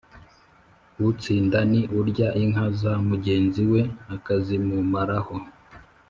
utsinda ni urya inka za mugenzi we akazimumaraho.